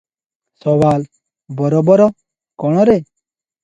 ସୱାଲ - ବରୋବର କଣ ରେ?